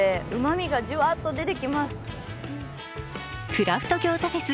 クラフト餃子フェス